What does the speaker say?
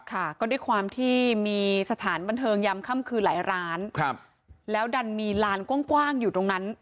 ค่ะก็ด้วยความที่มีสถานบันเทิงยำค่ำคืนหลายร้านแล้วดันมีลานกว้างอยู่ตรงนั้น